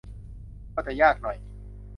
ก็จะยากหน่อย